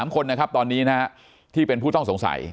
๓คนนะครับตอนนี้นะฮะที่เป็นผู้ต้องสงสัย